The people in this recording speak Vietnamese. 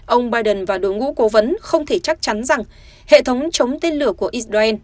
ông biden và đội ngũ cố vấn không thể chắc chắn rằng hệ thống chống tên lửa của israel